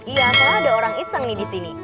iya karena ada orang iseng nih di sini